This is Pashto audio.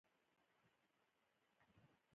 بیا که څوک راشي نو دوی په وېره خپرولو نه پرېږدي.